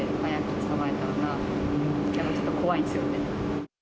ちょっと怖いですよね。